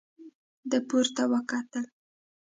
ده پورته وکتل.